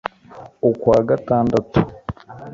ukwa gatandatu